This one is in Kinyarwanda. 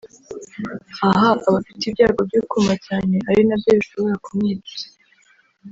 aha aba afite ibyago byo kuma cyane ari na byo bishobora kumwica